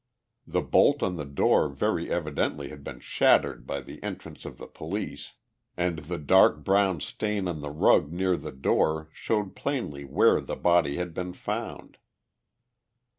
The bolt on the door very evidently had been shattered by the entrance of the police, and the dark brown stain on the rug near the door showed plainly where the body had been found.